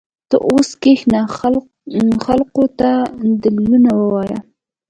ته اوس کښېنه خلقو ته دليلونه ووايه.